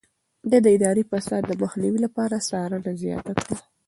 ده د اداري فساد د مخنيوي لپاره څارنه زياته کړه.